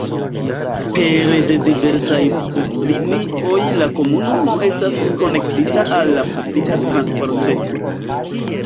Pere de diversaj buslinioj la komunumo estas konektita al la publika transportreto.